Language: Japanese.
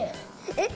えっ？